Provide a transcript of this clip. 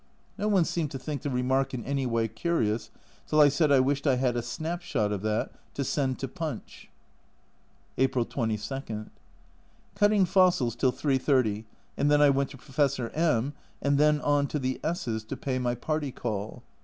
No one seemed to think the remark in any way curious till I said I wished I had a snapshot of that to send to Punch. April 22. Cutting fossils till 3.30, and then I went to Professor M , and then on to the S J to pay my party call.